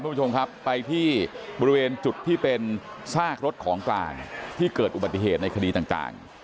คุณผู้ชมครับไปที่บริเวณจุดที่เป็นซากรถของกลางที่เกิดอุบัติเหตุในคดีต่าง